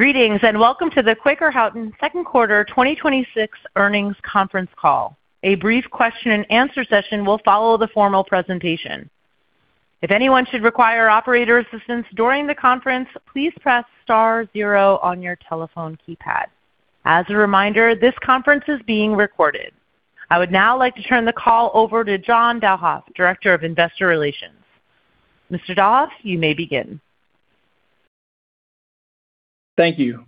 Greetings. Welcome to the Quaker Houghton Second Quarter 2026 Earnings Conference Call. A brief question and answer session will follow the formal presentation. If anyone should require operator assistance during the conference, please press star zero on your telephone keypad. As a reminder, this conference is being recorded. I would now like to turn the call over to John Dalhoff, Director of Investor Relations. Mr. Dalhoff, you may begin. Thank you.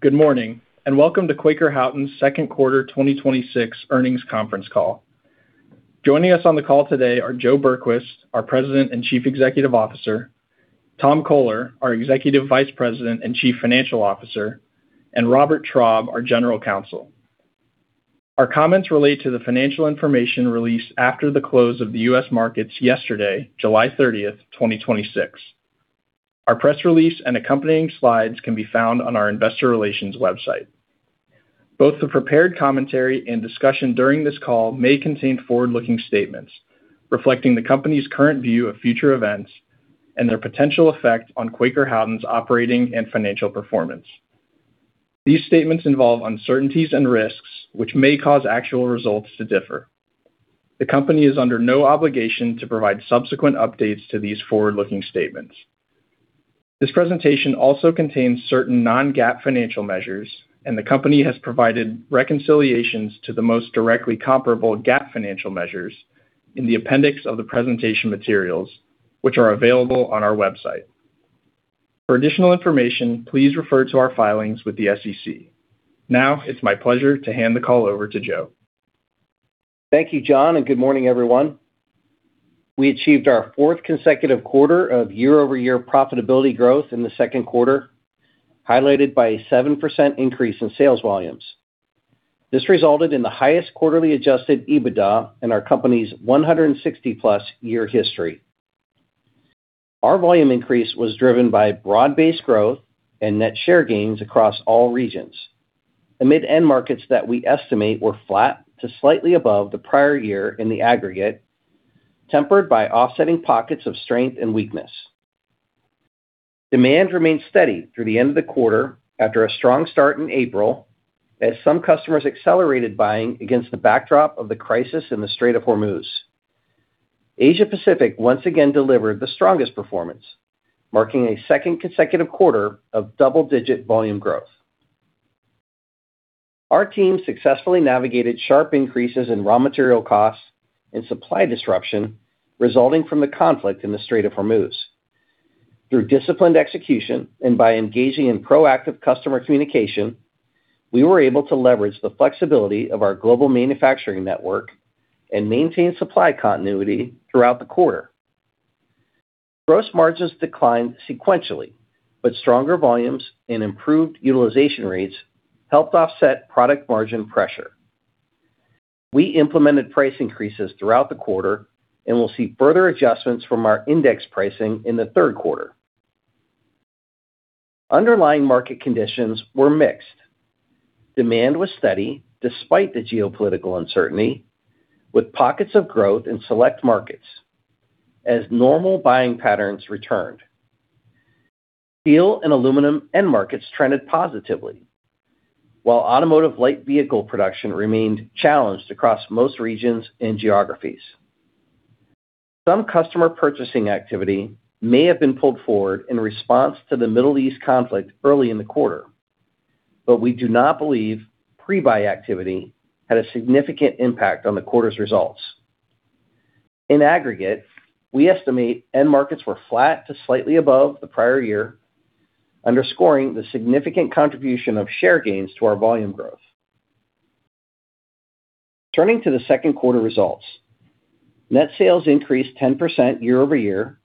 Good morning. Welcome to Quaker Houghton's second quarter 2026 earnings conference call. Joining us on the call today are Joe Berquist, our President and Chief Executive Officer, Tom Coler, our Executive Vice President and Chief Financial Officer, and Robert Traub, our General Counsel. Our comments relate to the financial information released after the close of the U.S. markets yesterday, July 30th, 2026. Our press release and accompanying slides can be found on our investor relations website. Both the prepared commentary and discussion during this call may contain forward-looking statements reflecting the company's current view of future events and their potential effect on Quaker Houghton's operating and financial performance. These statements involve uncertainties and risks which may cause actual results to differ. The company is under no obligation to provide subsequent updates to these forward-looking statements. This presentation also contains certain non-GAAP financial measures, and the company has provided reconciliations to the most directly comparable GAAP financial measures in the appendix of the presentation materials, which are available on our website. For additional information, please refer to our filings with the SEC. It's my pleasure to hand the call over to Joe. Thank you, John. Good morning, everyone. We achieved our fourth consecutive quarter of year-over-year profitability growth in the second quarter, highlighted by a 7% increase in sales volumes. This resulted in the highest quarterly adjusted EBITDA in our company's 160+ year history. Our volume increase was driven by broad-based growth and net share gains across all regions, amid end markets that we estimate were flat to slightly above the prior year in the aggregate, tempered by offsetting pockets of strength and weakness. Demand remained steady through the end of the quarter after a strong start in April, as some customers accelerated buying against the backdrop of the crisis in the Strait of Hormuz. Asia-Pacific once again delivered the strongest performance, marking a second consecutive quarter of double-digit volume growth. Our team successfully navigated sharp increases in raw material costs and supply disruption resulting from the conflict in the Strait of Hormuz. Through disciplined execution and by engaging in proactive customer communication, we were able to leverage the flexibility of our global manufacturing network and maintain supply continuity throughout the quarter. Gross margins declined sequentially, but stronger volumes and improved utilization rates helped offset product margin pressure. We implemented price increases throughout the quarter and will see further adjustments from our index pricing in the third quarter. Underlying market conditions were mixed. Demand was steady despite the geopolitical uncertainty, with pockets of growth in select markets as normal buying patterns returned. Steel and aluminum end markets trended positively, while automotive light vehicle production remained challenged across most regions and geographies. Some customer purchasing activity may have been pulled forward in response to the Middle East conflict early in the quarter, but we do not believe pre-buy activity had a significant impact on the quarter's results. In aggregate, we estimate end markets were flat to slightly above the prior year, underscoring the significant contribution of share gains to our volume growth. Turning to the second quarter results. Net sales increased 10% year-over-year,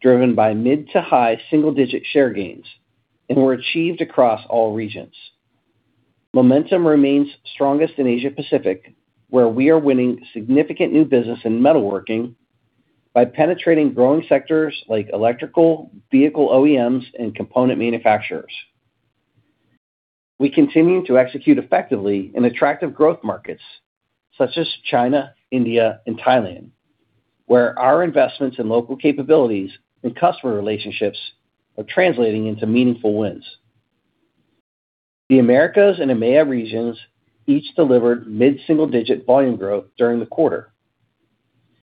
driven by mid to high single-digit share gains, and were achieved across all regions. Momentum remains strongest in Asia-Pacific, where we are winning significant new business in metalworking by penetrating growing sectors like electrical, vehicle OEMs, and component manufacturers. We continue to execute effectively in attractive growth markets such as China, India and Thailand, where our investments in local capabilities and customer relationships are translating into meaningful wins. The Americas and EMEA regions each delivered mid-single-digit volume growth during the quarter.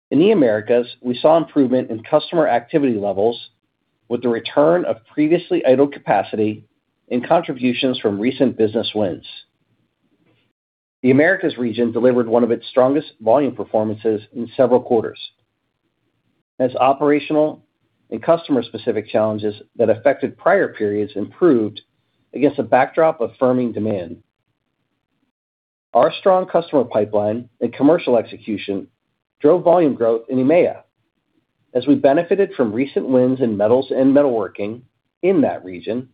In the Americas, we saw improvement in customer activity levels with the return of previously idled capacity and contributions from recent business wins. The Americas region delivered one of its strongest volume performances in several quarters, as operational and customer-specific challenges that affected prior periods improved against a backdrop of firming demand. Our strong customer pipeline and commercial execution drove volume growth in EMEA, as we benefited from recent wins in metals and metalworking in that region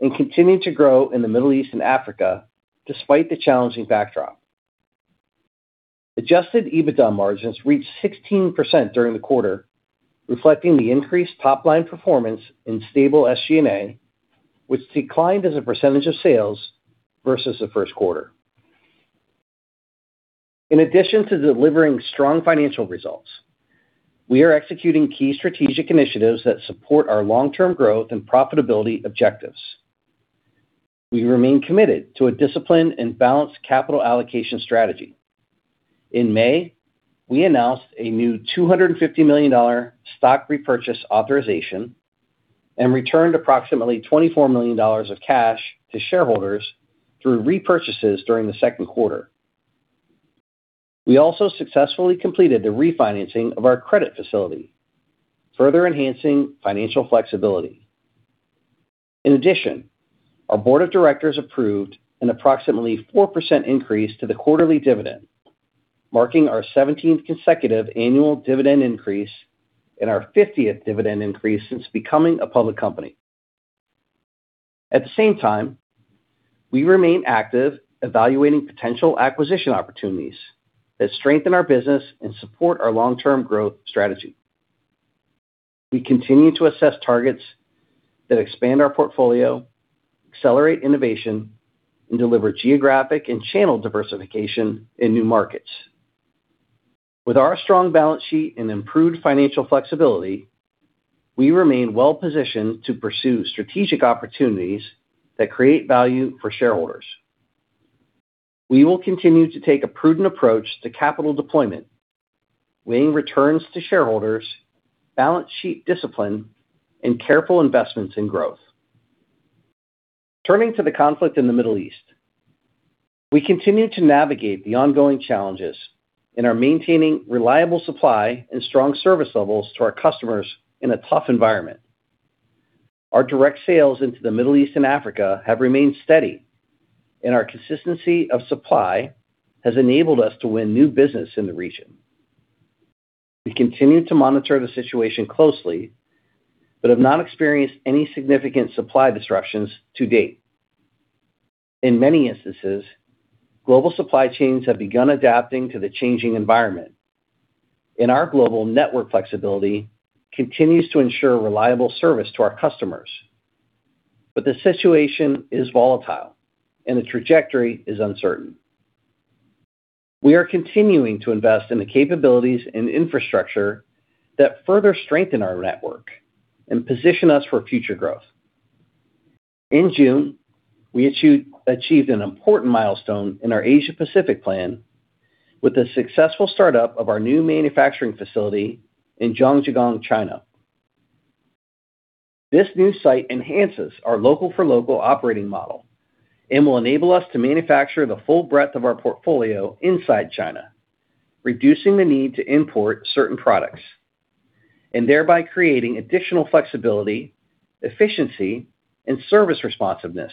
and continued to grow in the Middle East and Africa despite the challenging backdrop. Adjusted EBITDA margins reached 16% during the quarter, reflecting the increased top-line performance and stable SG&A, which declined as a percentage of sales versus the first quarter. In addition to delivering strong financial results, we are executing key strategic initiatives that support our long-term growth and profitability objectives. We remain committed to a disciplined and balanced capital allocation strategy. In May, we announced a new $250 million stock repurchase authorization and returned approximately $24 million of cash to shareholders through repurchases during the second quarter. We also successfully completed the refinancing of our credit facility, further enhancing financial flexibility. In addition, our board of directors approved an approximately 4% increase to the quarterly dividend, marking our 17th consecutive annual dividend increase and our 50th dividend increase since becoming a public company. At the same time, we remain active, evaluating potential acquisition opportunities that strengthen our business and support our long-term growth strategy. We continue to assess targets that expand our portfolio, accelerate innovation, and deliver geographic and channel diversification in new markets. With our strong balance sheet and improved financial flexibility, we remain well-positioned to pursue strategic opportunities that create value for shareholders. We will continue to take a prudent approach to capital deployment, weighing returns to shareholders, balance sheet discipline, and careful investments in growth. Turning to the conflict in the Middle East. We continue to navigate the ongoing challenges and are maintaining reliable supply and strong service levels to our customers in a tough environment. Our direct sales into the Middle East and Africa have remained steady, and our consistency of supply has enabled us to win new business in the region. We continue to monitor the situation closely but have not experienced any significant supply disruptions to date. In many instances, global supply chains have begun adapting to the changing environment, and our global network flexibility continues to ensure reliable service to our customers. The situation is volatile, and the trajectory is uncertain. We are continuing to invest in the capabilities and infrastructure that further strengthen our network and position us for future growth. In June, we achieved an important milestone in our Asia Pacific plan with the successful startup of our new manufacturing facility in Zhangjiagang, China. This new site enhances our local for local operating model and will enable us to manufacture the full breadth of our portfolio inside China, reducing the need to import certain products, and thereby creating additional flexibility, efficiency, and service responsiveness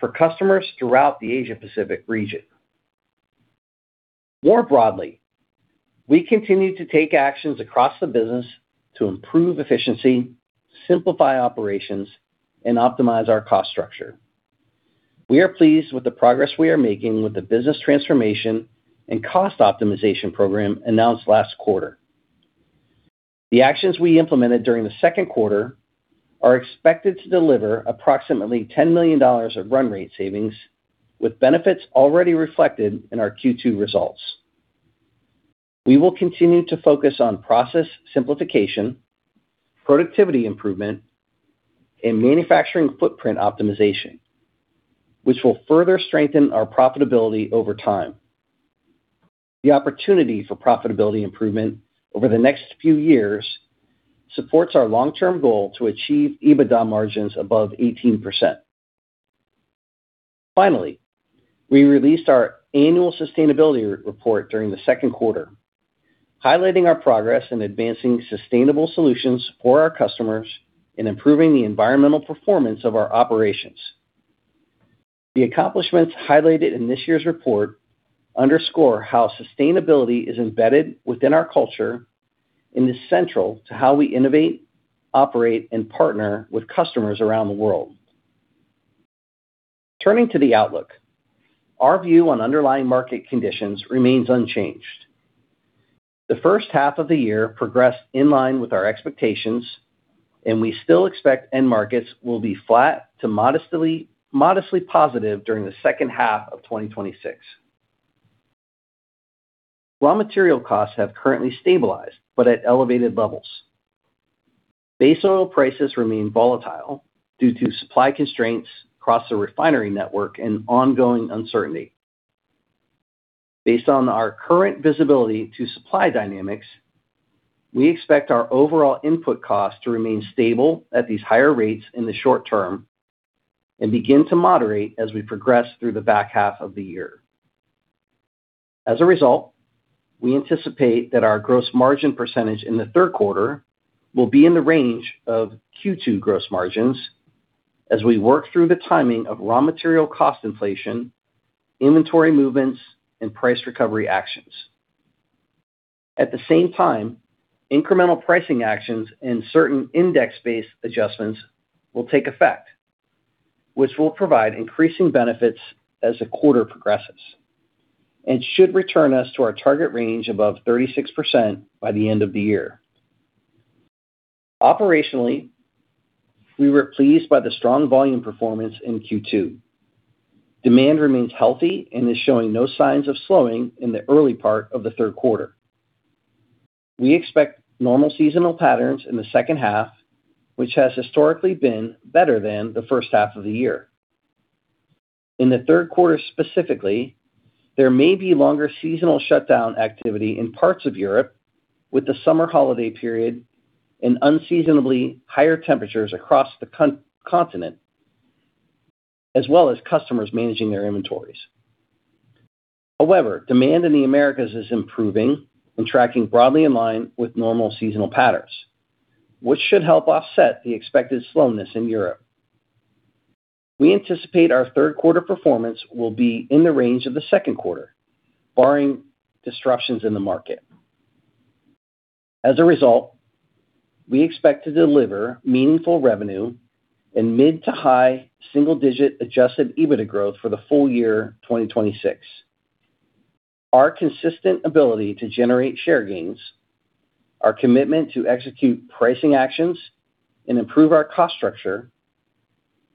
for customers throughout the Asia Pacific region. More broadly, we continue to take actions across the business to improve efficiency, simplify operations, and optimize our cost structure. We are pleased with the progress we are making with the business transformation and cost optimization program announced last quarter. The actions we implemented during the second quarter are expected to deliver approximately $10 million of run rate savings, with benefits already reflected in our Q2 results. We will continue to focus on process simplification, productivity improvement, and manufacturing footprint optimization, which will further strengthen our profitability over time. The opportunity for profitability improvement over the next few years supports our long-term goal to achieve EBITDA margins above 18%. Finally, we released our annual sustainability report during the second quarter, highlighting our progress in advancing sustainable solutions for our customers in improving the environmental performance of our operations. The accomplishments highlighted in this year's report underscore how sustainability is embedded within our culture and is central to how we innovate, operate, and partner with customers around the world. Turning to the outlook. Our view on underlying market conditions remains unchanged. The first half of the year progressed in line with our expectations, and we still expect end markets will be flat to modestly positive during the second half of 2026. Raw material costs have currently stabilized but at elevated levels. Base oil prices remain volatile due to supply constraints across the refinery network and ongoing uncertainty. Based on our current visibility to supply dynamics, we expect our overall input costs to remain stable at these higher rates in the short term and begin to moderate as we progress through the back half of the year. As a result, we anticipate that our gross margin percentage in the third quarter will be in the range of Q2 gross margins as we work through the timing of raw material cost inflation, inventory movements, and price recovery actions. At the same time, incremental pricing actions and certain index-based adjustments will take effect, which will provide increasing benefits as the quarter progresses and should return us to our target range above 36% by the end of the year. Operationally, we were pleased by the strong volume performance in Q2. Demand remains healthy and is showing no signs of slowing in the early part of the third quarter. We expect normal seasonal patterns in the second half, which has historically been better than the first half of the year. In the third quarter specifically, there may be longer seasonal shutdown activity in parts of Europe with the summer holiday period and unseasonably higher temperatures across the continent, as well as customers managing their inventories. However, demand in the Americas is improving and tracking broadly in line with normal seasonal patterns, which should help offset the expected slowness in Europe. We anticipate our third quarter performance will be in the range of the second quarter, barring disruptions in the market. As a result, we expect to deliver meaningful revenue in mid to high single-digit adjusted EBITDA growth for the full year 2026. Our consistent ability to generate share gains, our commitment to execute pricing actions and improve our cost structure,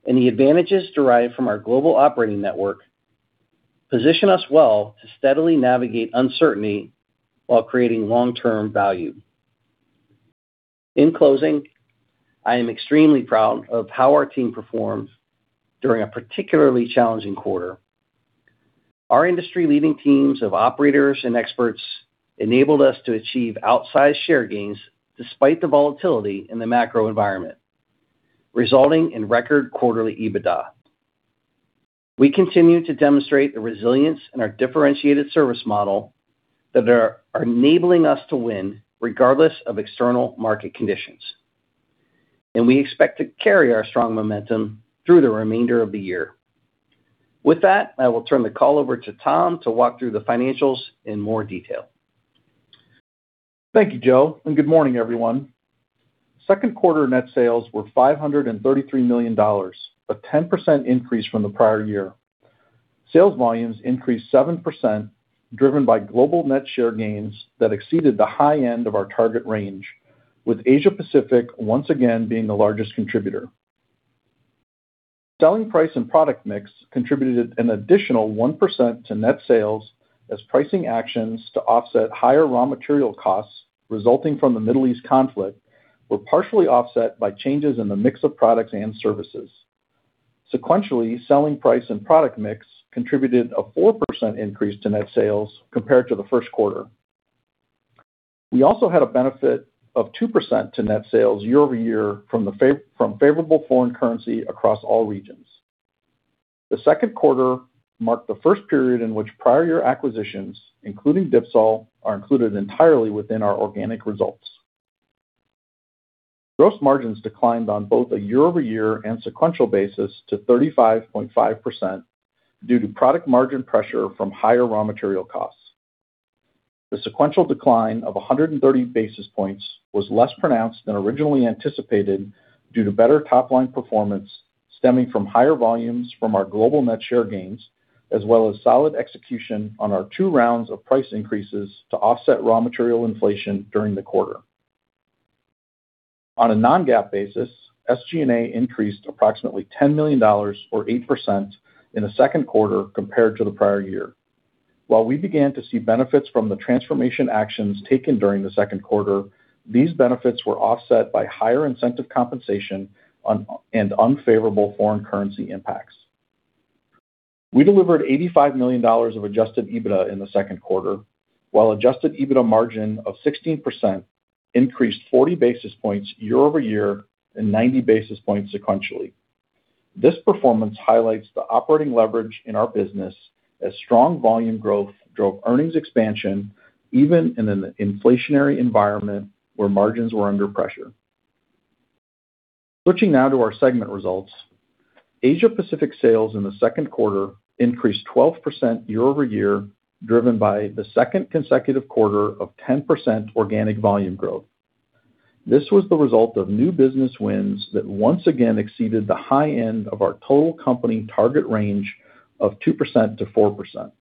and the advantages derived from our global operating network position us well to steadily navigate uncertainty while creating long-term value. In closing, I am extremely proud of how our team performed during a particularly challenging quarter. Our industry-leading teams of operators and experts enabled us to achieve outsized share gains despite the volatility in the macro environment, resulting in record quarterly EBITDA. We continue to demonstrate the resilience in our differentiated service model that are enabling us to win regardless of external market conditions, and we expect to carry our strong momentum through the remainder of the year. With that, I will turn the call over to Tom to walk through the financials in more detail. Thank you, Joe, and good morning, everyone. Second quarter net sales were $533 million, a 10% increase from the prior year. Sales volumes increased 7%, driven by global net share gains that exceeded the high end of our target range, with Asia Pacific once again being the largest contributor. Selling price and product mix contributed an additional 1% to net sales as pricing actions to offset higher raw material costs resulting from the Middle East conflict were partially offset by changes in the mix of products and services. Sequentially, selling price and product mix contributed a 4% increase to net sales compared to the first quarter. We also had a benefit of 2% to net sales year-over-year from favorable foreign currency across all regions. The second quarter marked the first period in which prior year acquisitions, including Dipsol, are included entirely within our organic results. Gross margins declined on both a year-over-year and sequential basis to 35.5% due to product margin pressure from higher raw material costs. The sequential decline of 130 basis points was less pronounced than originally anticipated due to better top-line performance stemming from higher volumes from our global net share gains, as well as solid execution on our two rounds of price increases to offset raw material inflation during the quarter. On a non-GAAP basis, SG&A increased approximately $10 million, or 8%, in the second quarter compared to the prior year. While we began to see benefits from the transformation actions taken during the second quarter, these benefits were offset by higher incentive compensation and unfavorable foreign currency impacts. We delivered $85 million of adjusted EBITDA in the second quarter, while adjusted EBITDA margin of 16% increased 40 basis points year-over-year and 90 basis points sequentially. This performance highlights the operating leverage in our business as strong volume growth drove earnings expansion even in an inflationary environment where margins were under pressure. Switching now to our segment results. Asia Pacific sales in the second quarter increased 12% year-over-year, driven by the second consecutive quarter of 10% organic volume growth. This was the result of new business wins that once again exceeded the high end of our total company target range of 2%-4%.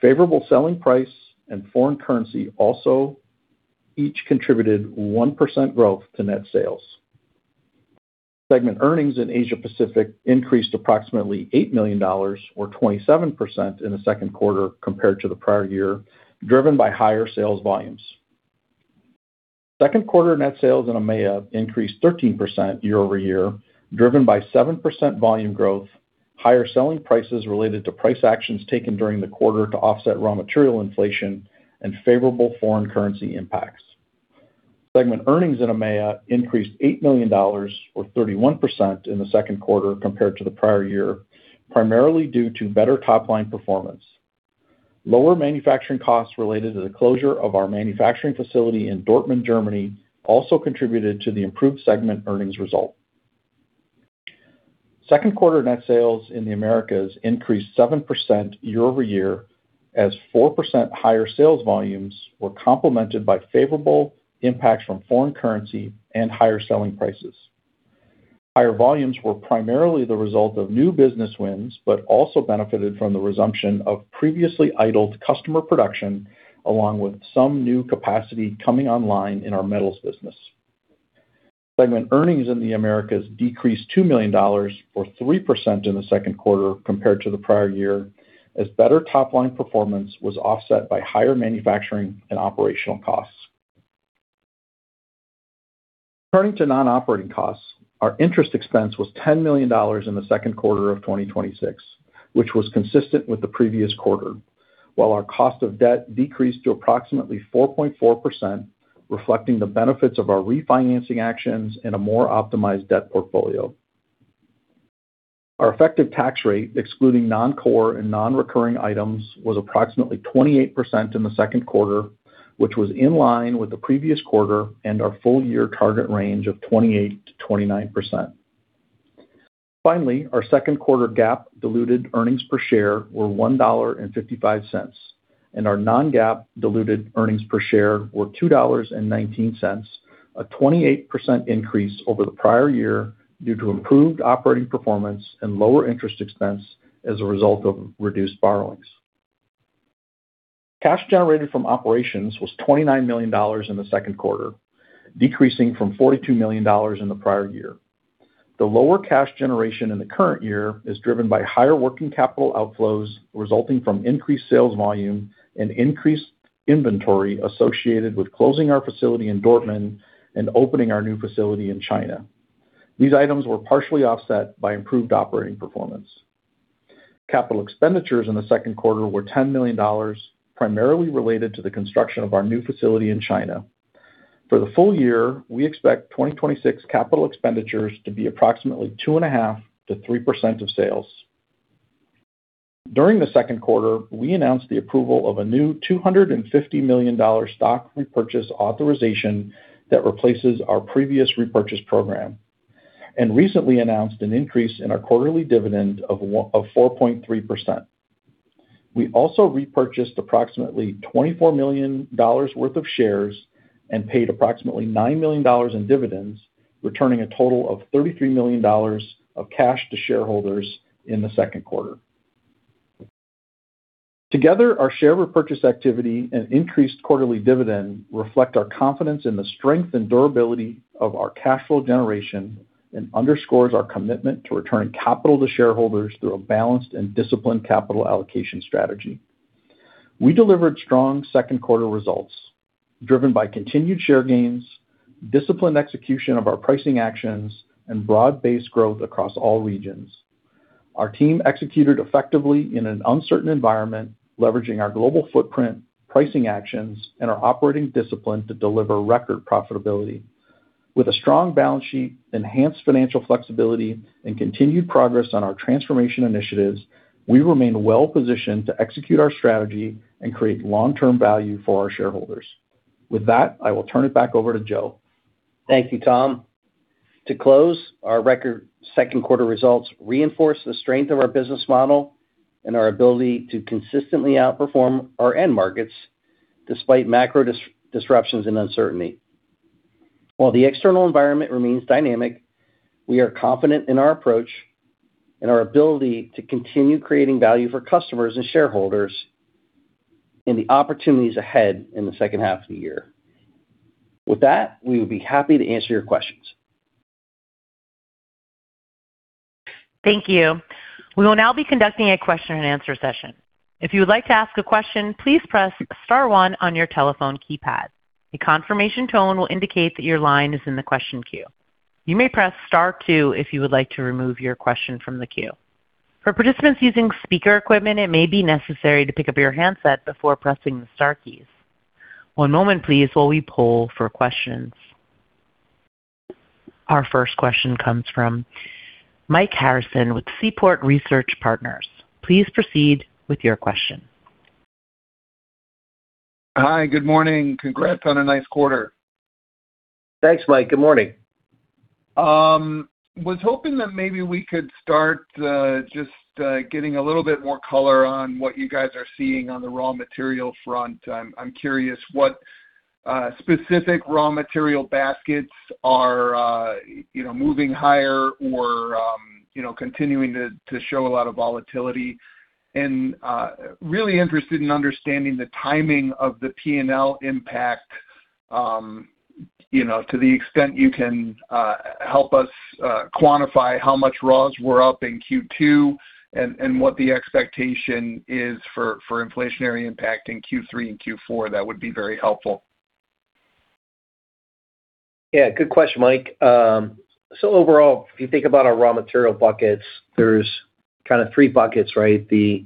Favorable selling price and foreign currency also each contributed 1% growth to net sales. Segment earnings in Asia Pacific increased approximately $8 million, or 27%, in the second quarter compared to the prior year, driven by higher sales volumes. Second quarter net sales in EMEA increased 13% year-over-year, driven by 7% volume growth, higher selling prices related to price actions taken during the quarter to offset raw material inflation, and favorable foreign currency impacts. Segment earnings in EMEA increased $8 million, or 31%, in the second quarter compared to the prior year, primarily due to better top-line performance. Lower manufacturing costs related to the closure of our manufacturing facility in Dortmund, Germany, also contributed to the improved segment earnings result. Second quarter net sales in the Americas increased 7% year-over-year as 4% higher sales volumes were complemented by favorable impacts from foreign currency and higher selling prices. Higher volumes were primarily the result of new business wins, but also benefited from the resumption of previously idled customer production, along with some new capacity coming online in our metals business. Segment earnings in the Americas decreased $2 million, or 3%, in the second quarter compared to the prior year, as better top-line performance was offset by higher manufacturing and operational costs. Turning to non-operating costs, our interest expense was $10 million in the second quarter of 2026, which was consistent with the previous quarter, while our cost of debt decreased to approximately 4.4%, reflecting the benefits of our refinancing actions and a more optimized debt portfolio. Our effective tax rate, excluding non-core and non-recurring items, was approximately 28% in the second quarter, which was in line with the previous quarter and our full-year target range of 28%-29%. Our second quarter GAAP diluted earnings per share were $1.55, and our non-GAAP diluted earnings per share were $2.19, a 28% increase over the prior year due to improved operating performance and lower interest expense as a result of reduced borrowings. Cash generated from operations was $29 million in the second quarter, decreasing from $42 million in the prior year. The lower cash generation in the current year is driven by higher working capital outflows resulting from increased sales volume and increased inventory associated with closing our facility in Dortmund and opening our new facility in China. These items were partially offset by improved operating performance. Capital expenditures in the second quarter were $10 million, primarily related to the construction of our new facility in China. For the full year, we expect 2026 capital expenditures to be approximately 2.5%-3% of sales. During the second quarter, we announced the approval of a new $250 million stock repurchase authorization that replaces our previous repurchase program, and recently announced an increase in our quarterly dividend of 4.3%. We also repurchased approximately $24 million worth of shares and paid approximately $9 million in dividends, returning a total of $33 million of cash to shareholders in the second quarter. Together, our share repurchase activity and increased quarterly dividend reflect our confidence in the strength and durability of our cash flow generation and underscores our commitment to returning capital to shareholders through a balanced and disciplined capital allocation strategy. We delivered strong second quarter results driven by continued share gains, disciplined execution of our pricing actions, and broad-based growth across all regions. Our team executed effectively in an uncertain environment, leveraging our global footprint, pricing actions, and our operating discipline to deliver record profitability. With a strong balance sheet, enhanced financial flexibility, and continued progress on our transformation initiatives, we remain well-positioned to execute our strategy and create long-term value for our shareholders. With that, I will turn it back over to Joe. Thank you, Tom. To close, our record second quarter results reinforce the strength of our business model and our ability to consistently outperform our end markets despite macro disruptions and uncertainty. While the external environment remains dynamic, we are confident in our approach and our ability to continue creating value for customers and shareholders in the opportunities ahead in the second half of the year. With that, we would be happy to answer your questions. Thank you. We will now be conducting a question and answer session. If you would like to ask a question, please press star one on your telephone keypad. A confirmation tone will indicate that your line is in the question queue. You may press star two if you would like to remove your question from the queue. For participants using speaker equipment, it may be necessary to pick up your handset before pressing the star keys. One moment please while we poll for questions. Our first question comes from Mike Harrison with Seaport Research Partners. Please proceed with your question. Hi. Good morning. Congrats on a nice quarter. Thanks, Mike. Good morning. I was hoping that maybe we could start just getting a little bit more color on what you guys are seeing on the raw material front. I'm curious what specific raw material baskets are moving higher or continuing to show a lot of volatility. Really interested in understanding the timing of the P&L impact, to the extent you can help us quantify how much raws were up in Q2 and what the expectation is for inflationary impact in Q3 and Q4. That would be very helpful. Good question, Mike. Overall, if you think about our raw material buckets, there's kind of three buckets, right? The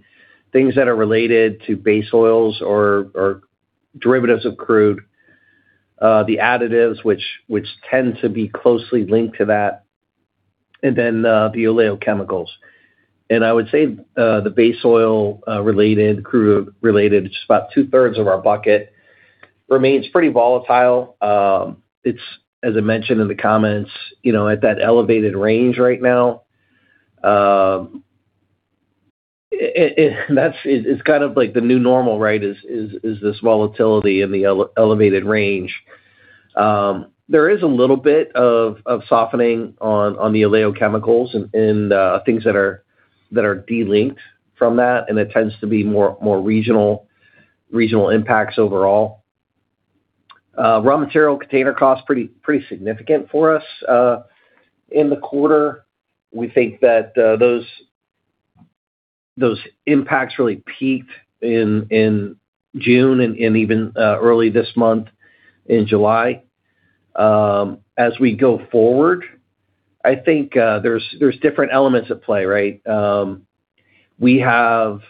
things that are related to base oils or derivatives of crude, the additives which tend to be closely linked to that, and then the oleochemicals. I would say the base oil-related, crude-related, it's about 2/3 of our bucket, remains pretty volatile. It's, as I mentioned in the comments, at that elevated range right now. It's kind of like the new normal, is this volatility in the elevated range. There is a little bit of softening on the oleochemicals and things that are de-linked from that, and it tends to be more regional impacts overall. Raw material container costs pretty significant for us in the quarter. We think that those impacts really peaked in June and even early this month in July. As we go forward, I think there's different elements at play, right? We have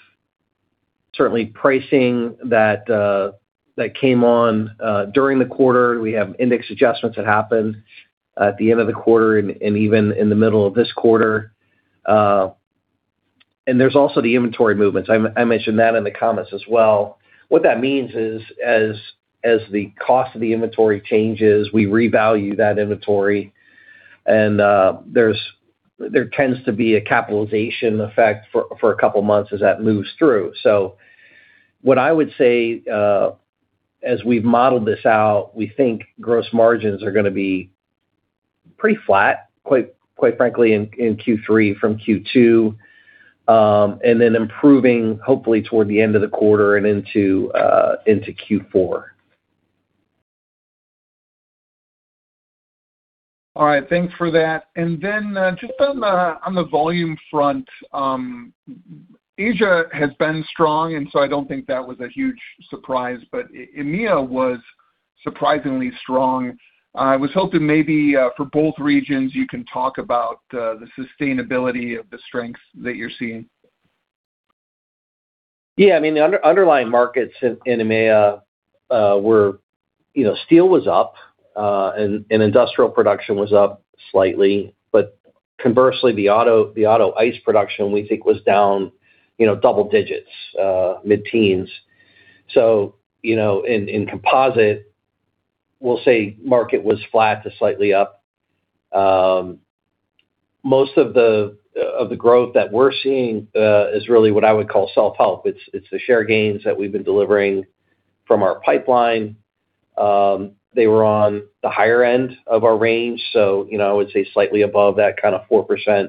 certainly pricing that came on during the quarter. We have index adjustments that happened at the end of the quarter and even in the middle of this quarter. There's also the inventory movements. I mentioned that in the comments as well. What that means is, as the cost of the inventory changes, we revalue that inventory. There tends to be a capitalization effect for a couple of months as that moves through. What I would say, as we've modeled this out, we think gross margins are going to be pretty flat, quite frankly, in Q3 from Q2, and then improving, hopefully, toward the end of the quarter and into Q4. All right. Thanks for that. Then, just on the volume front, Asia has been strong, I don't think that was a huge surprise, EMEA was surprisingly strong. I was hoping maybe, for both regions, you can talk about the sustainability of the strengths that you're seeing. Yeah, the underlying markets in EMEA, steel was up, industrial production was up slightly. Conversely, the auto ICE production, we think, was down double digits, mid-teens. In composite, we'll say market was flat to slightly up. Most of the growth that we're seeing is really what I would call self-help. It's the share gains that we've been delivering from our pipeline. They were on the higher end of our range. So, I would say slightly above that 4%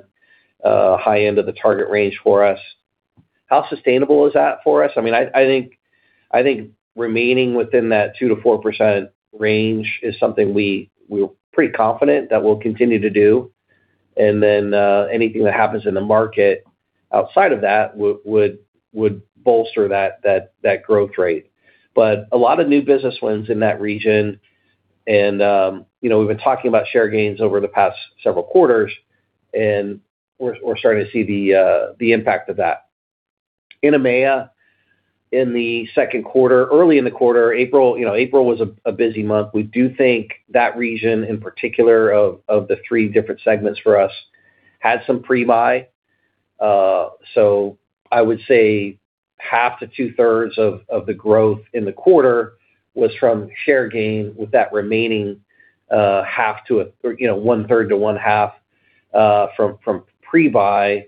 high end of the target range for us. How sustainable is that for us? I think remaining within that 2%-4% range is something we're pretty confident that we'll continue to do. Then anything that happens in the market outside of that would bolster that growth rate. A lot of new business wins in that region, and we have been talking about share gains over the past several quarters, and we are starting to see the impact of that. In EMEA, in the second quarter, early in the quarter, April was a busy month. We do think that region, in particular, of the three different segments for us, had some pre-buy. So I would say 1/2-2/3 of the growth in the quarter was from share gain, with that remaining 1/3-1/2 from pre-buy.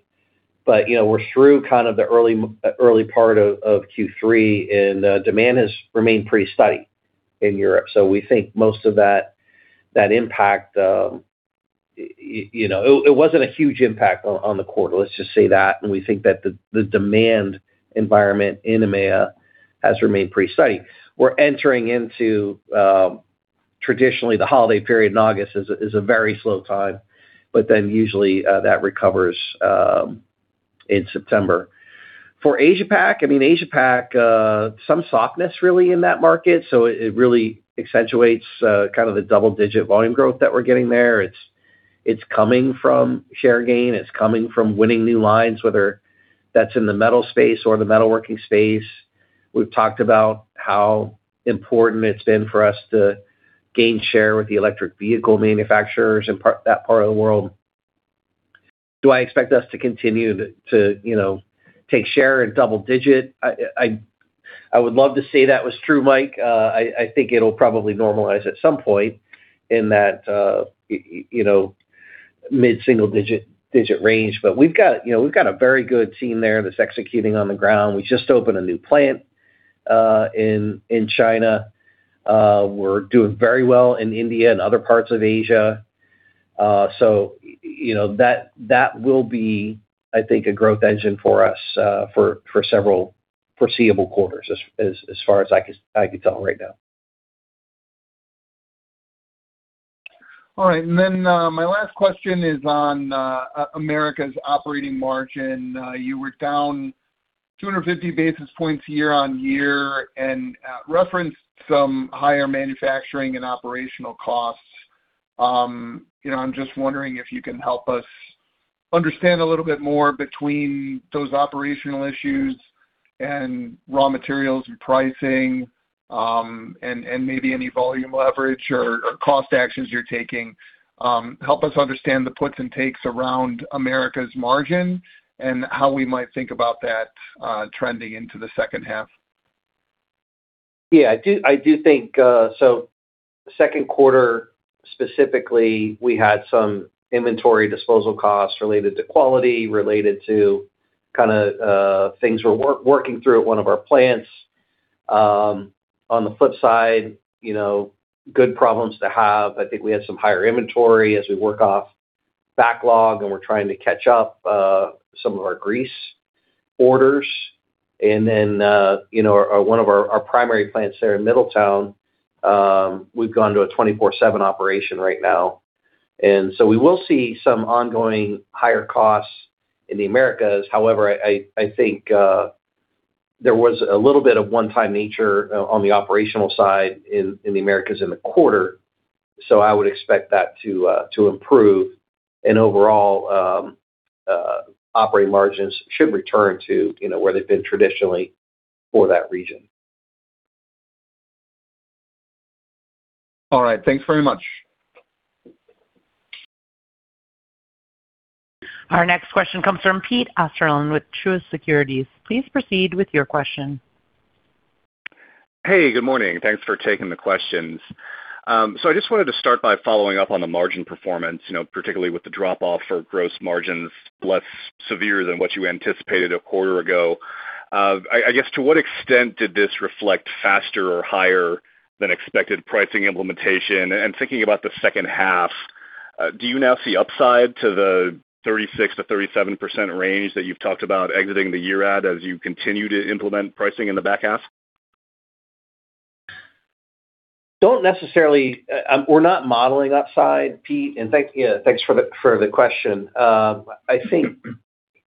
We are through the early part of Q3, and demand has remained pretty steady in Europe. So we think most of that impact, it was not a huge impact on the quarter, let us just say that, and we think that the demand environment in EMEA has remained pretty steady. We are entering into, traditionally, the holiday period in August is a very slow time, usually that recovers in September. For Asia Pac, some softness really in that market. So it really accentuates the double-digit volume growth that we are getting there. It is coming from share gain. It is coming from winning new lines, whether that is in the metal space or the metalworking space. We have talked about how important it has been for us to gain share with the electric vehicle manufacturers in that part of the world. Do I expect us to continue to take share in double-digit? I would love to say that was true, Mike. I think it will probably normalize at some point in that mid-single-digit range. We have got a very good team there that is executing on the ground. We just opened a new plant in China. We are doing very well in India and other parts of Asia. So that will be, I think, a growth engine for us for several foreseeable quarters, as far as I could tell right now. All right. My last question is on Americas operating margin. You were down 250 basis points year-on-year and referenced some higher manufacturing and operational costs. I am just wondering if you can help us understand a little bit more between those operational issues and raw materials and pricing, and maybe any volume leverage or cost actions you are taking. Help us understand the puts and takes around Americas margin and how we might think about that trending into the second half. I do think so. Second quarter specifically, we had some inventory disposal costs related to quality, related to things we're working through at one of our plants. On the flip side, good problems to have. I think we had some higher inventory as we work off backlog, and we're trying to catch up some of our grease orders. One of our primary plants there in Middletown, we've gone to a 24/7 operation right now. We will see some ongoing higher costs in the Americas. However, I think there was a little bit of one-time nature on the operational side in the Americas in the quarter. I would expect that to improve and overall operating margins should return to where they've been traditionally for that region. All right. Thanks very much. Our next question comes from Pete Osterland with Truist Securities. Please proceed with your question. Hey, good morning. Thanks for taking the questions. I just wanted to start by following up on the margin performance, particularly with the drop-off for gross margins less severe than what you anticipated a quarter ago. I guess, to what extent did this reflect faster or higher than expected pricing implementation? Thinking about the second half, do you now see upside to the 36%-37% range that you've talked about exiting the year at as you continue to implement pricing in the back half? We're not modeling upside, Pete. Thanks for the question. I think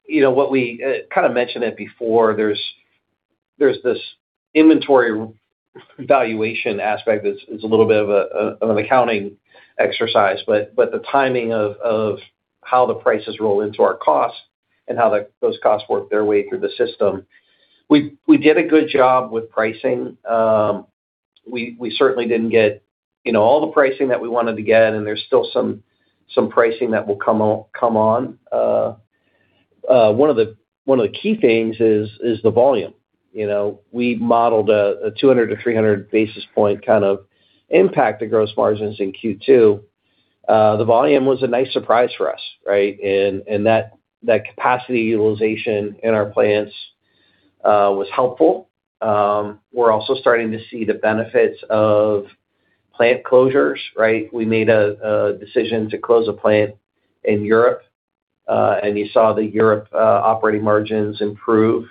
what we kind of mentioned it before, there's this inventory valuation aspect that's a little bit of an accounting exercise, but the timing of how the prices roll into our costs and how those costs work their way through the system. We did a good job with pricing. We certainly didn't get all the pricing that we wanted to get, and there's still some pricing that will come on. One of the key things is the volume. We modeled a 200-300 basis point kind of impact to gross margins in Q2. The volume was a nice surprise for us, right? That capacity utilization in our plants was helpful. We're also starting to see the benefits of plant closures, right? We made a decision to close a plant in Europe, and you saw the Europe operating margins improve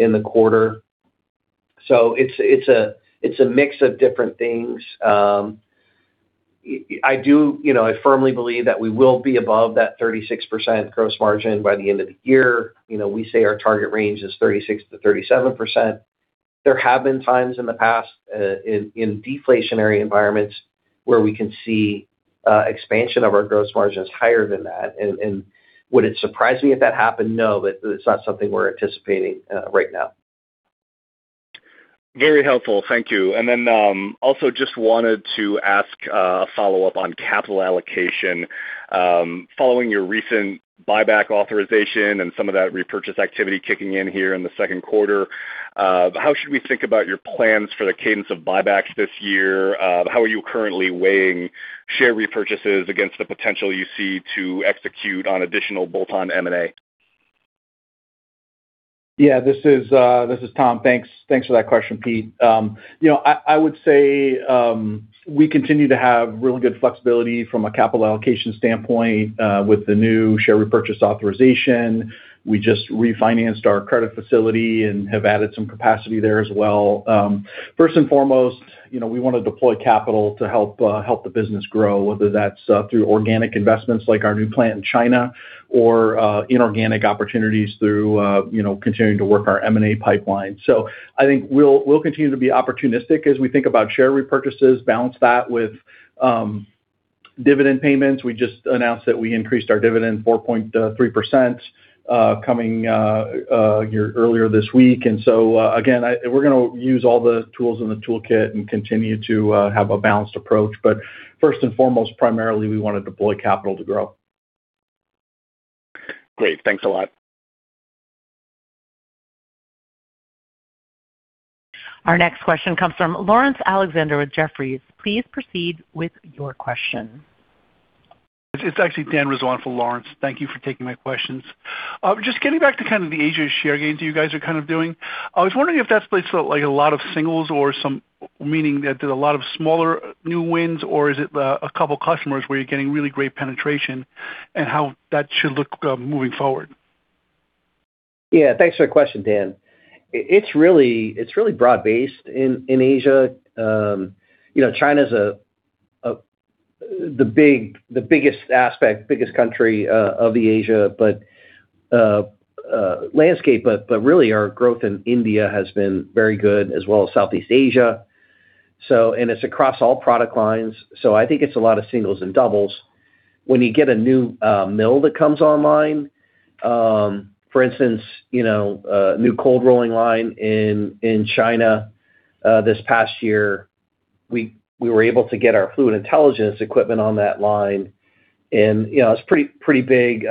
in the quarter. It's a mix of different things. I firmly believe that we will be above that 36% gross margin by the end of the year. We say our target range is 36%-37%. There have been times in the past in deflationary environments where we can see expansion of our gross margins higher than that. Would it surprise me if that happened? No, but it's not something we're anticipating right now. Very helpful. Thank you. Also just wanted to ask a follow-up on capital allocation. Following your recent buyback authorization and some of that repurchase activity kicking in here in the second quarter, how should we think about your plans for the cadence of buybacks this year? How are you currently weighing share repurchases against the potential you see to execute on additional bolt-on M&A? Yeah, this is Tom. Thanks for that question, Pete. I would say we continue to have really good flexibility from a capital allocation standpoint with the new share repurchase authorization. We just refinanced our credit facility and have added some capacity there as well. First and foremost, we want to deploy capital to help the business grow, whether that's through organic investments like our new plant in China or inorganic opportunities through continuing to work our M&A pipeline. I think we'll continue to be opportunistic as we think about share repurchases, balance that with dividend payments. We just announced that we increased our dividend 4.3% coming earlier this week. Again, we're going to use all the tools in the toolkit and continue to have a balanced approach. First and foremost, primarily, we want to deploy capital to grow. Great. Thanks a lot. Our next question comes from Laurence Alexander with Jefferies. Please proceed with your question. It's actually Dan Roden for Laurence. Thank you for taking my questions. Getting back to kind of the Asia share gains you guys are kind of doing. I was wondering if that's like a lot of singles, meaning that there's a lot of smaller new wins, or is it a couple of customers where you're getting really great penetration and how that should look moving forward? Thanks for the question, Dan. It's really broad-based in Asia. China's the biggest aspect, biggest country of the Asia landscape. Really our growth in India has been very good as well as Southeast Asia. It's across all product lines. I think it's a lot of singles and doubles. When you get a new mill that comes online, for instance, a new cold rolling line in China this past year, we were able to get our Fluid Intelligence equipment on that line, and it's pretty big.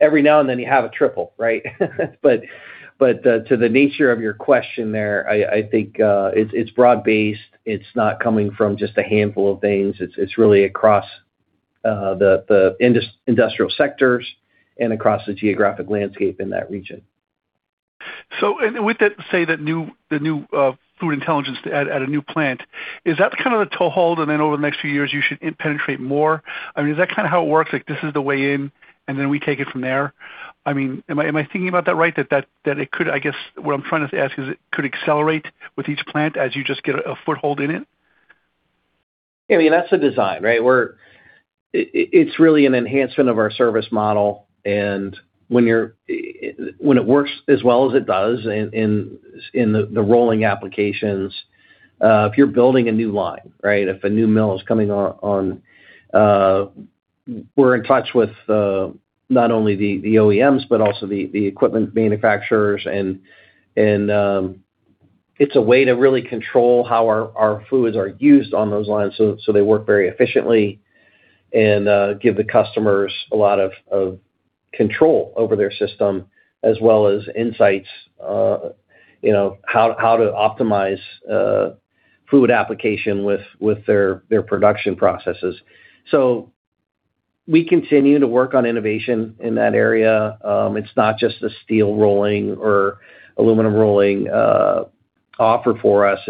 Every now and then you have a triple, right? To the nature of your question there, I think it's broad-based. It's not coming from just a handful of things. It's really across the industrial sectors and across the geographic landscape in that region. With that, say the new Fluid Intelligence at a new plant, is that the kind of the toehold and then over the next few years you should penetrate more? Is that kind of how it works? Like this is the way in, and then we take it from there? Am I thinking about that right? I guess what I'm trying to ask is, it could accelerate with each plant as you just get a foothold in it? Yeah, that's the design, right? It's really an enhancement of our service model, and when it works as well as it does in the rolling applications. If you're building a new line, if a new mill is coming on, we're in touch with not only the OEMs, but also the equipment manufacturers. It's a way to really control how our fluids are used on those lines so they work very efficiently and give the customers a lot of control over their system as well as insights, how to optimize fluid application with their production processes. We continue to work on innovation in that area. It's not just the steel rolling or aluminum rolling offer for us.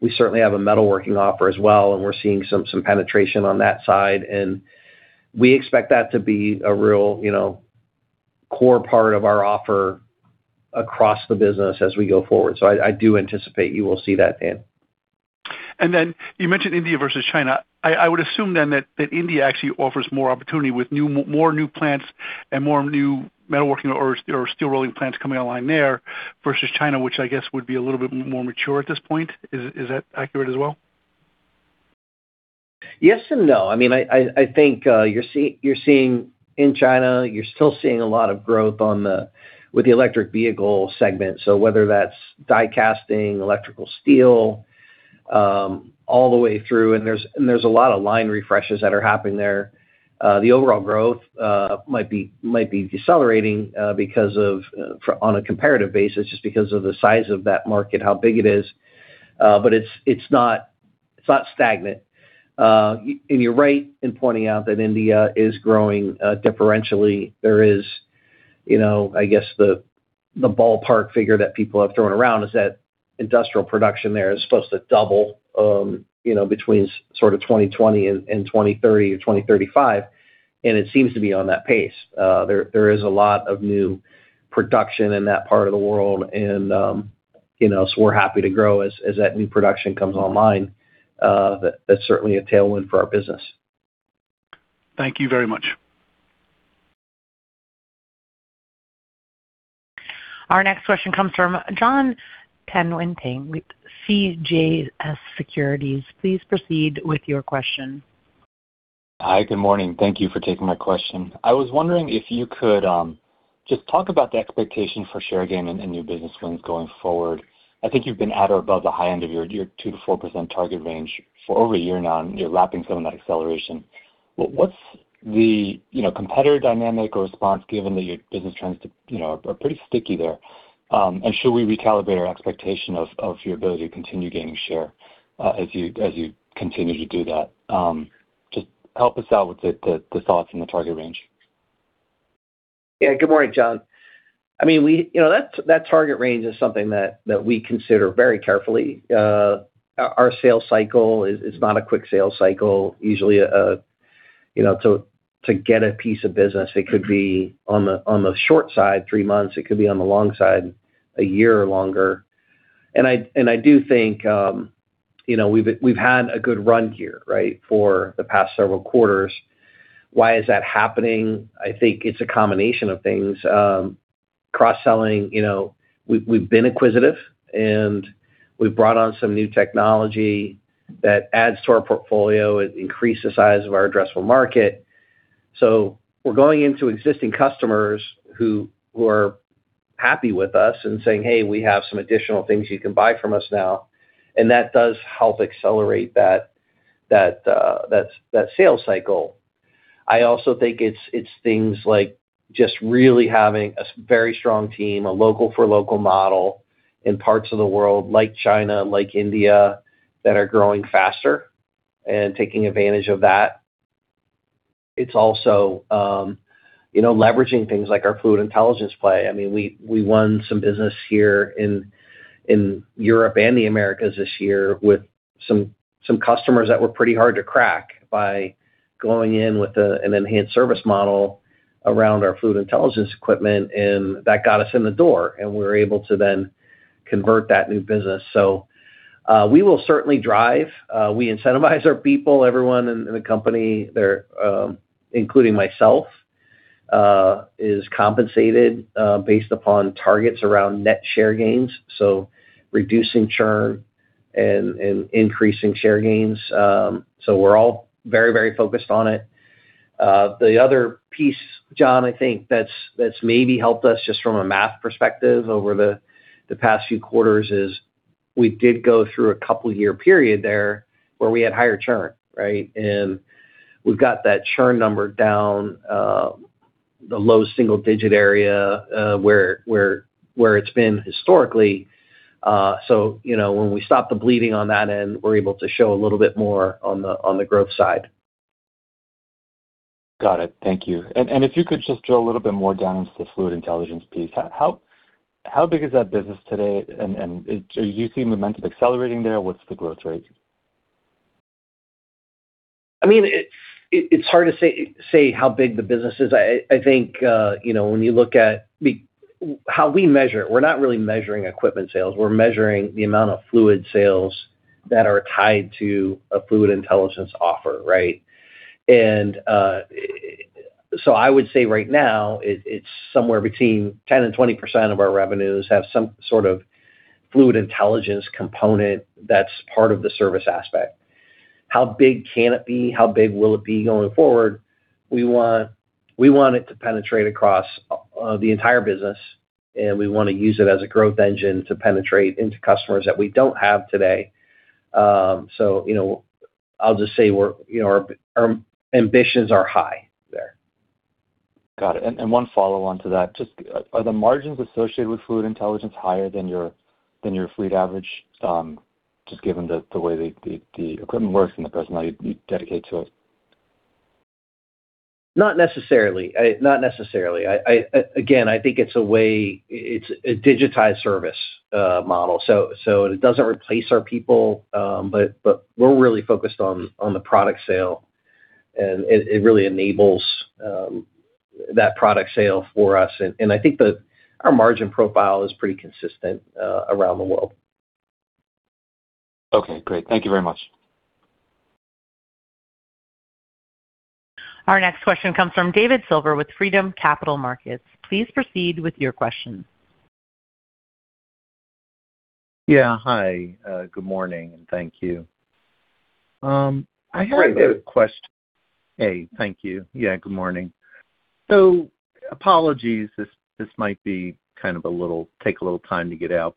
We certainly have a metalworking offer as well. We're seeing some penetration on that side, and we expect that to be a real core part of our offer across the business as we go forward. I do anticipate you will see that, Dan. You mentioned India versus China. I would assume then that India actually offers more opportunity with more new plants and more new metalworking or steel rolling plants coming online there versus China, which I guess would be a little bit more mature at this point. Is that accurate as well? Yes and no. I think you're seeing in China, you're still seeing a lot of growth with the electric vehicle segment. Whether that's die casting, electrical steel, all the way through, and there's a lot of line refreshes that are happening there. The overall growth might be decelerating on a comparative basis just because of the size of that market, how big it is. It's not stagnant. You're right in pointing out that India is growing differentially. There is, I guess, the ballpark figure that people have thrown around is that industrial production there is supposed to double between sort of 2020 and 2030 or 2035. It seems to be on that pace. There is a lot of new production in that part of the world, and so we're happy to grow as that new production comes online. That's certainly a tailwind for our business. Thank you very much. Our next question comes from Jon Tanwanteng with CJS Securities. Please proceed with your question. Hi. Good morning. Thank you for taking my question. I was wondering if you could just talk about the expectation for share gain and new business wins going forward. I think you've been at or above the high end of your 2%-4% target range for over a year now, and you're lapping some of that acceleration. What's the competitor dynamic or response given that your business trends are pretty sticky there? Should we recalibrate our expectation of your ability to continue gaining share as you continue to do that? Just help us out with the thoughts and the target range. Good morning, Jon. That target range is something that we consider very carefully. Our sales cycle is not a quick sales cycle. Usually to get a piece of business, it could be on the short side, three months, it could be on the long side, a year or longer. I do think we've had a good run here for the past several quarters. Why is that happening? I think it's a combination of things. Cross-selling, we've been acquisitive, we've brought on some new technology that adds to our portfolio. It increased the size of our addressable market. We're going into existing customers who are happy with us and saying, "Hey, we have some additional things you can buy from us now." That does help accelerate that sales cycle. I also think it's things like just really having a very strong team, a local for local model in parts of the world like China, like India, that are growing faster and taking advantage of that. It's also leveraging things like our Fluid Intelligence play. We won some business here in Europe and the Americas this year with some customers that were pretty hard to crack by going in with an enhanced service model around our Fluid Intelligence equipment. That got us in the door, we were able to then convert that new business. We will certainly drive. We incentivize our people. Everyone in the company, including myself, is compensated based upon targets around net share gains, so reducing churn and increasing share gains. We're all very focused on it. The other piece, Jon, I think that's maybe helped us just from a math perspective over the past few quarters is we did go through a couple year period there where we had higher churn, right? We've got that churn number down the low single digit area, where it's been historically. When we stop the bleeding on that end, we're able to show a little bit more on the growth side. Got it. Thank you. If you could just drill a little bit more down into the Fluid Intelligence piece, how big is that business today? Are you seeing momentum accelerating there? What's the growth rate? It's hard to say how big the business is. I think when you look at how we measure it, we're not really measuring equipment sales. We're measuring the amount of fluid sales that are tied to a Fluid Intelligence offer, right? I would say right now, it's somewhere between 10%-20% of our revenues have some sort of Fluid Intelligence component that's part of the service aspect. How big can it be? How big will it be going forward? We want it to penetrate across the entire business, and we want to use it as a growth engine to penetrate into customers that we don't have today. I'll just say our ambitions are high there. Got it. One follow-on to that, just are the margins associated with Fluid Intelligence higher than your fleet average? Just given the way the equipment works and the personnel you dedicate to it. Not necessarily. Again, I think it's a way, it's a digitized service model. It doesn't replace our people, but we're really focused on the product sale, it really enables that product sale for us. I think that our margin profile is pretty consistent around the world. Okay, great. Thank you very much. Our next question comes from David Silver with Freedom Capital Markets. Please proceed with your question. Yeah. Hi, good morning, and thank you. I have a. Go ahead, David. Hey. Thank you. Yeah, good morning. Apologies if this might take a little time to get out.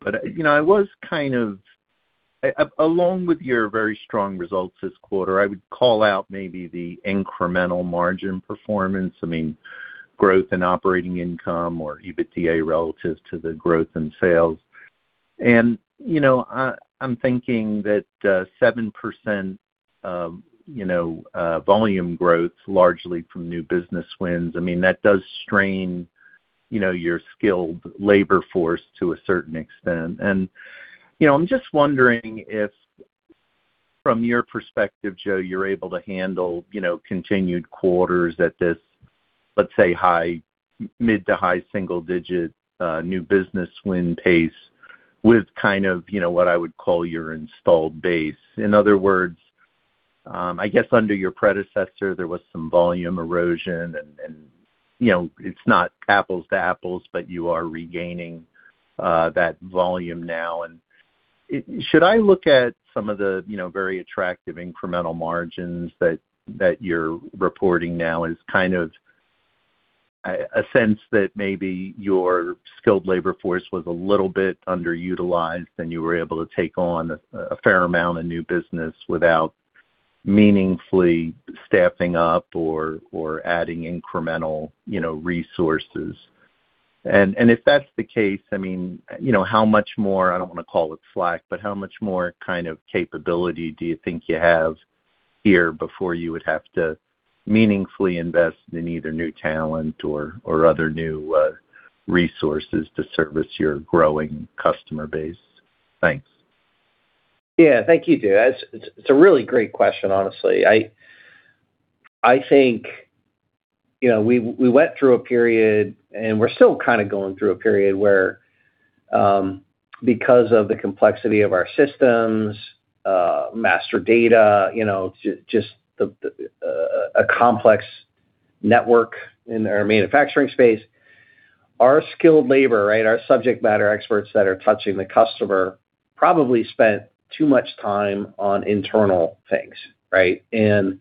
Along with your very strong results this quarter, I would call out maybe the incremental margin performance, growth in operating income or EBITDA relative to the growth in sales. I'm thinking that 7% volume growth largely from new business wins, that does strain your skilled labor force to a certain extent. I'm just wondering if from your perspective, Joe, you're able to handle continued quarters at this, let's say mid to high single digit, new business win pace with what I would call your installed base. In other words, I guess under your predecessor, there was some volume erosion and it's not apples to apples, but you are regaining that volume now. Should I look at some of the very attractive incremental margins that you're reporting now as kind of a sense that maybe your skilled labor force was a little bit underutilized, and you were able to take on a fair amount of new business without meaningfully staffing up or adding incremental resources? If that's the case, how much more, I don't want to call it slack, but how much more kind of capability do you think you have here before you would have to meaningfully invest in either new talent or other new resources to service your growing customer base? Thanks. Yeah. Thank you, David. It's a really great question, honestly. I think we went through a period, and we're still kind of going through a period where because of the complexity of our systems, master data, just a complex network in our manufacturing space. Our skilled labor, our subject matter experts that are touching the customer probably spent too much time on internal things, right? In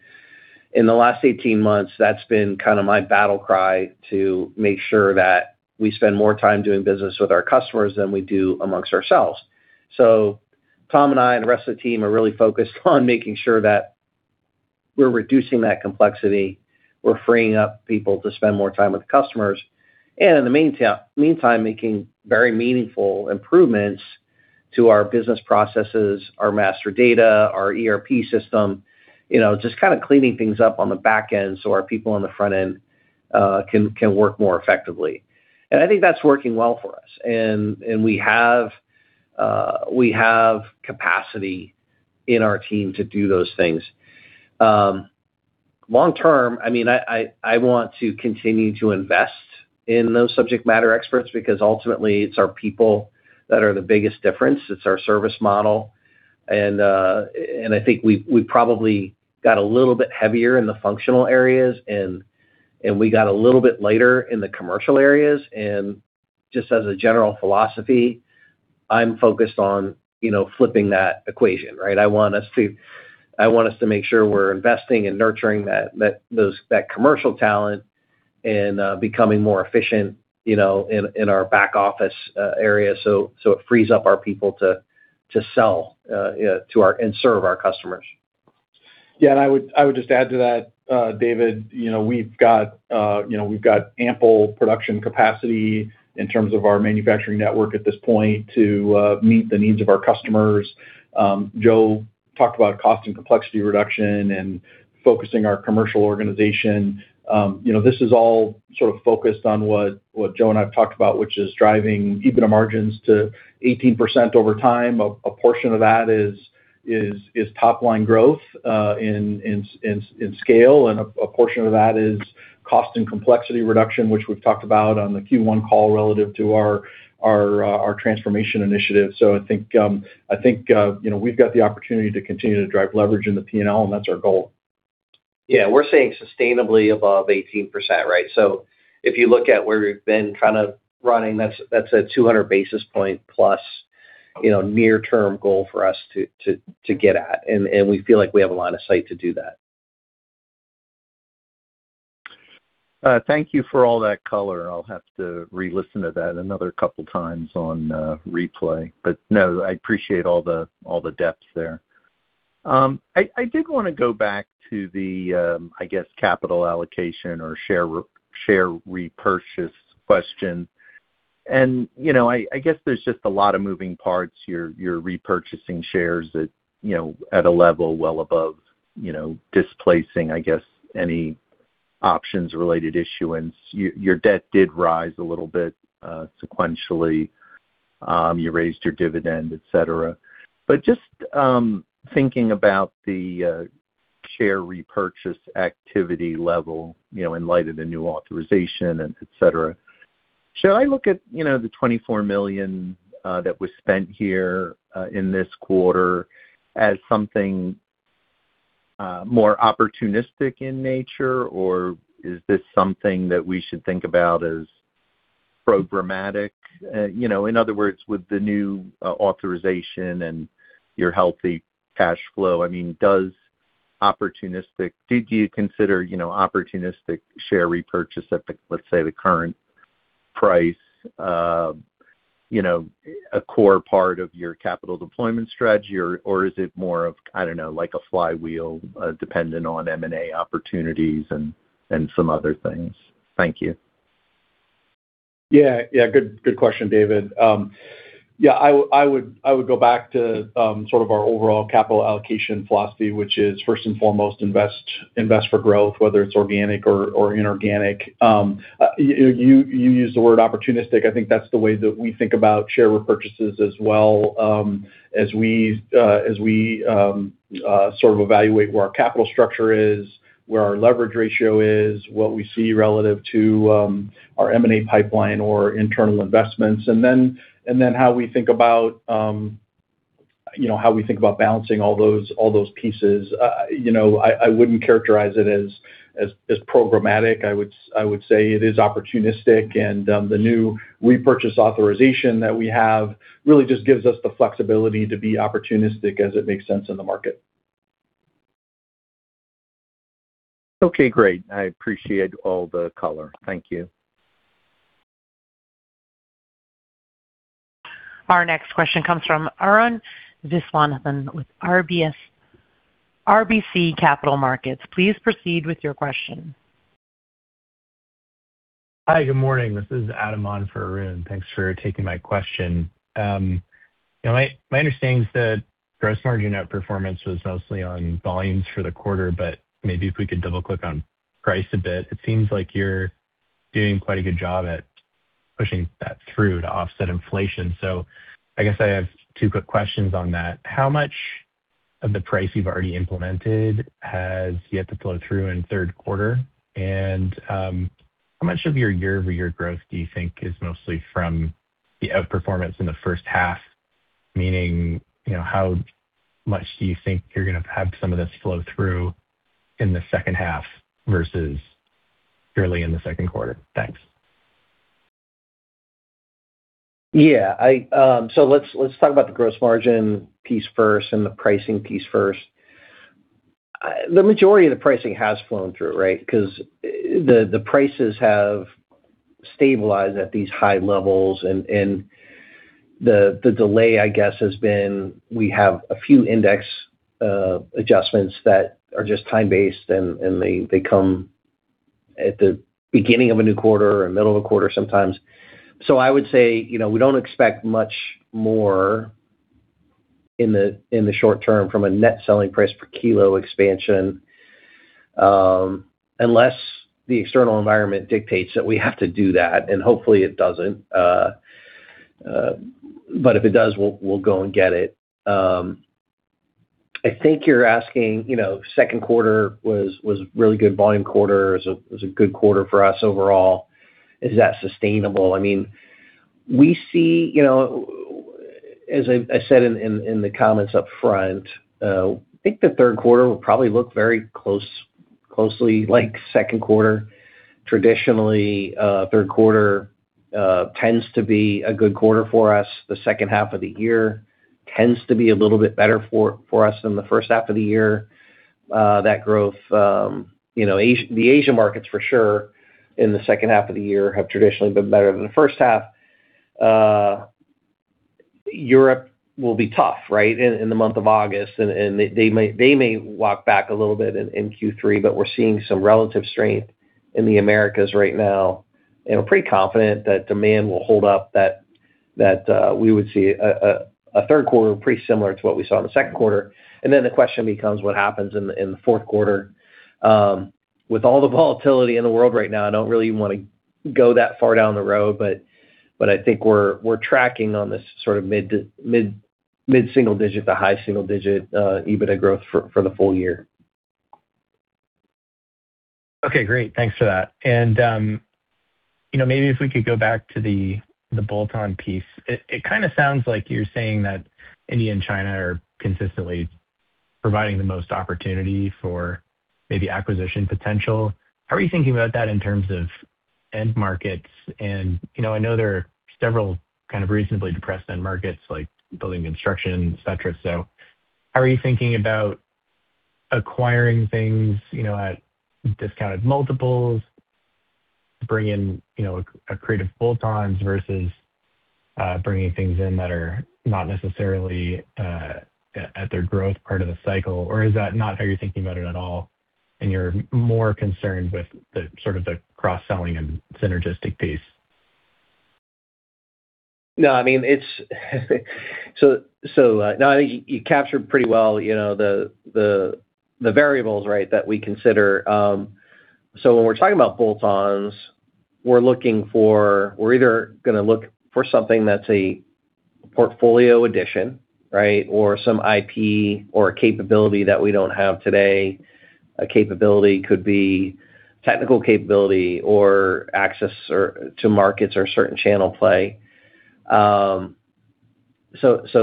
the last 18 months, that's been kind of my battle cry to make sure that we spend more time doing business with our customers than we do amongst ourselves. Tom and I, and the rest of the team are really focused on making sure that we're reducing that complexity, we're freeing up people to spend more time with customers. In the meantime, making very meaningful improvements to our business processes, our master data, our ERP system, just kind of cleaning things up on the back end so our people on the front end can work more effectively. I think that's working well for us. We have capacity in our team to do those things. Long term, I want to continue to invest in those subject matter experts because ultimately it's our people that are the biggest difference. It's our service model. I think we probably got a little bit heavier in the functional areas and we got a little bit later in the commercial areas, and just as a general philosophy, I'm focused on flipping that equation. I want us to make sure we're investing and nurturing that commercial talent and becoming more efficient in our back office area so it frees up our people to sell and serve our customers. Yeah, I would just add to that, David, we've got ample production capacity in terms of our manufacturing network at this point to meet the needs of our customers. Joe talked about cost and complexity reduction and focusing our commercial organization. This is all sort of focused on what Joe and I have talked about, which is driving EBITDA margins to 18% over time. A portion of that is top-line growth in scale, and a portion of that is cost and complexity reduction, which we've talked about on the Q1 call relative to our transformation initiative. I think we've got the opportunity to continue to drive leverage in the P&L, and that's our goal. Yeah, we're saying sustainably above 18%, right? If you look at where we've been kind of running, that's a 200 basis point plus near-term goal for us to get at. We feel like we have a line of sight to do that. Thank you for all that color. I'll have to re-listen to that another couple of times on replay. No, I appreciate all the depth there. I did want to go back to the, I guess, capital allocation or share repurchase question. I guess there's just a lot of moving parts. You're repurchasing shares at a level well above displacing, I guess, any options-related issuance. Your debt did rise a little bit sequentially. You raised your dividend, et cetera. Just thinking about the share repurchase activity level in light of the new authorization and et cetera. Should I look at the $24 million that was spent here in this quarter as something more opportunistic in nature? Is this something that we should think about as programmatic? In other words, with the new authorization and your healthy cash flow, did you consider opportunistic share repurchase at, let's say, the current price a core part of your capital deployment strategy? Is it more of, I don't know, like a flywheel dependent on M&A opportunities and some other things? Thank you. Good question, David. I would go back to sort of our overall capital allocation philosophy, which is first and foremost, invest for growth, whether it's organic or inorganic. You used the word opportunistic. I think that's the way that we think about share repurchases as well as we sort of evaluate where our capital structure is, where our leverage ratio is, what we see relative to our M&A pipeline or internal investments, how we think about balancing all those pieces. I wouldn't characterize it as programmatic. I would say it is opportunistic, the new repurchase authorization that we have really just gives us the flexibility to be opportunistic as it makes sense in the market. Okay, great. I appreciate all the color. Thank you. Our next question comes from Arun Viswanathan with RBC Capital Markets. Please proceed with your question. Hi, good morning. This is Adam on for Arun. Thanks for taking my question. My understanding is that gross margin outperformance was mostly on volumes for the quarter, maybe if we could double-click on price a bit. It seems like you're doing quite a good job at pushing that through to offset inflation. I guess I have two quick questions on that. How much of the price you've already implemented has yet to flow through in the third quarter? How much of your year-over-year growth do you think is mostly from the outperformance in the first half? Meaning, how much do you think you're going to have some of this flow through in the second half versus early in the second quarter? Thanks. Let's talk about the gross margin piece first and the pricing piece first. The majority of the pricing has flown through, right? The prices have stabilized at these high levels, and the delay, I guess, has been we have a few index adjustments that are just time-based, and they come at the beginning of a new quarter or middle of a quarter sometimes. I would say we don't expect much more in the short term from a net selling price per kilo expansion unless the external environment dictates that we have to do that, and hopefully it doesn't. If it does, we'll go and get it. I think you're asking, second quarter was a really good volume quarter. It was a good quarter for us overall. Is that sustainable? I mean, we see As I said in the comments up front, I think the third quarter will probably look very closely like second quarter. Traditionally, third quarter tends to be a good quarter for us. The second half of the year tends to be a little bit better for us than the first half of the year. That growth, the Asian markets for sure in the second half of the year have traditionally been better than the first half. Europe will be tough in the month of August, and they may walk back a little bit in Q3, we're seeing some relative strength in the Americas right now. We're pretty confident that demand will hold up, that we would see a third quarter pretty similar to what we saw in the second quarter. Then the question becomes: what happens in the fourth quarter? With all the volatility in the world right now, I don't really want to go that far down the road, I think we're tracking on this sort of mid-single digit to high single digit EBITDA growth for the full year. Okay, great. Thanks for that. Maybe if we could go back to the bolt-on piece. It kind of sounds like you're saying that India and China are consistently providing the most opportunity for maybe acquisition potential. How are you thinking about that in terms of end markets? I know there are several kind of recently depressed end markets like building construction, et cetera. How are you thinking about acquiring things at discounted multiples to bring in accretive bolt-ons versus bringing things in that are not necessarily at their growth part of the cycle? Is that not how you're thinking about it at all, and you're more concerned with the sort of the cross-selling and synergistic piece? I think you captured pretty well the variables that we consider. When we're talking about bolt-ons, we're either going to look for something that's a portfolio addition, or some IP or a capability that we don't have today. A capability could be technical capability or access to markets or certain channel play. Those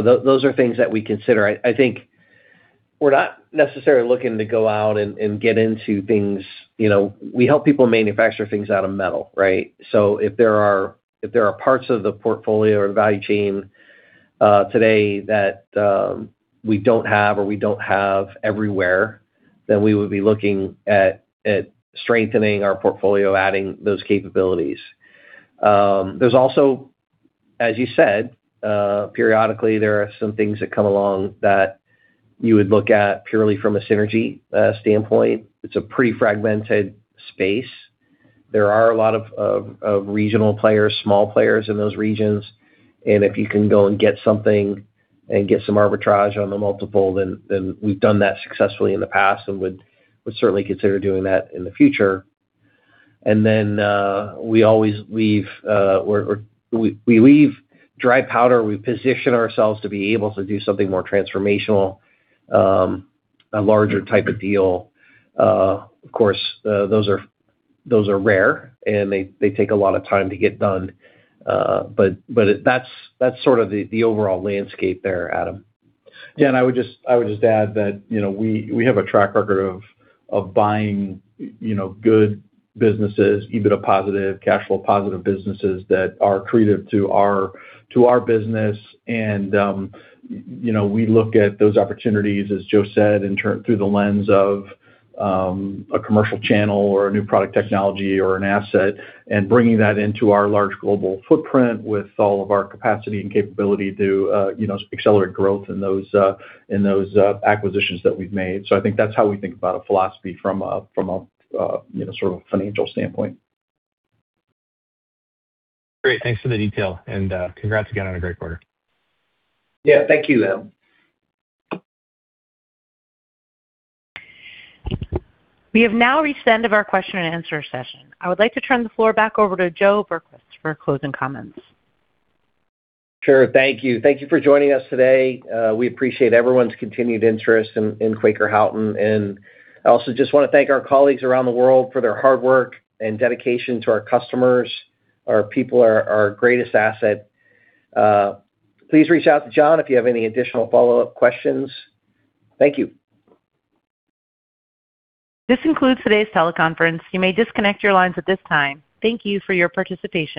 are things that we consider. I think we're not necessarily looking to go out and get into things. We help people manufacture things out of metal, right? If there are parts of the portfolio or the value chain today that we don't have, or we don't have everywhere, then we would be looking at strengthening our portfolio, adding those capabilities. There's also, as you said, periodically there are some things that come along that you would look at purely from a synergy standpoint. It's a pretty fragmented space. There are a lot of regional players, small players in those regions, if you can go and get something and get some arbitrage on the multiple, then we've done that successfully in the past and would certainly consider doing that in the future. We leave dry powder. We position ourselves to be able to do something more transformational, a larger type of deal. Of course, those are rare, and they take a lot of time to get done. That's sort of the overall landscape there, Adam. Adam, I would just add that we have a track record of buying good businesses, EBITDA positive, cash flow positive businesses that are accretive to our business. We look at those opportunities, as Joe said, through the lens of a commercial channel or a new product technology or an asset, and bringing that into our large global footprint with all of our capacity and capability to accelerate growth in those acquisitions that we've made. I think that's how we think about a philosophy from a sort of financial standpoint. Great. Thanks for the detail and congrats again on a great quarter. Yeah. Thank you, Adam. We have now reached the end of our question and answer session. I would like to turn the floor back over to Joe Berquist for closing comments. Sure. Thank you. Thank you for joining us today. We appreciate everyone's continued interest in Quaker Houghton, and I also just want to thank our colleagues around the world for their hard work and dedication to our customers. Our people are our greatest asset. Please reach out to John if you have any additional follow-up questions. Thank you. This concludes today's teleconference. You may disconnect your lines at this time. Thank you for your participation.